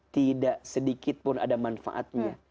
tidak sedikitpun ada manfaatnya